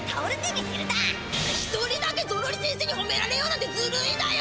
１人だけゾロリせんせにほめられようなんてずるいだよ。